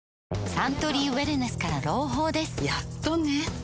サントリーウエルネスから朗報ですやっとね